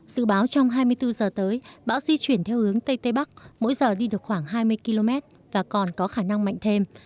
dự báo trong hai mươi bốn giờ tới bão di chuyển theo hướng tây tây bắc mỗi giờ đi được khoảng hai mươi km và còn có khả năng mạnh thêm